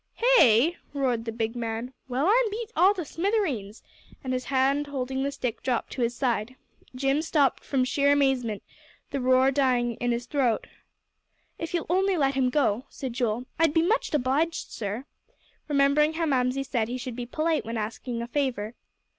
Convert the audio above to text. "Hey?" roared the big man. "Well, I'm beat all to smithereens," and his hand holding the stick dropped to his side. Jim stopped from sheer amazement, the roar dying in his throat. "If you'll only let him go," said Joel, "I'd be much obliged, sir," remembering how Mamsie said he should be polite when asking a favor.